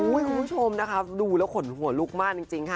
คุณผู้ชมนะคะดูแล้วขนหัวลุกมากจริงค่ะ